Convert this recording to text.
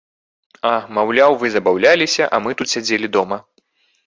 А, маўляў, вы забаўляліся, а мы тут сядзелі дома.